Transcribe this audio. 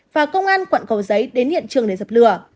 và công an quận cầu giấy đến hiện trường để dập lửa